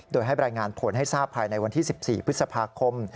โดยให้รายงานผลให้ทราบภายในวันที่๑๔พฤษภาคม